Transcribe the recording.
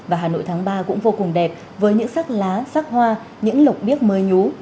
và hà nội tháng ba cũng vô cùng đẹp với những sắc lá sắc hoa những lục điếc mơ nhú